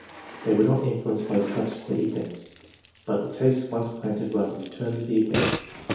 They were not influenced by subsequent events, but the tastes once planted rather determined the events.